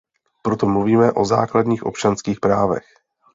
Proto mluvíme o základních občanských právech.